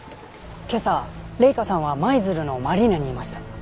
今朝麗華さんは舞鶴のマリーナにいました。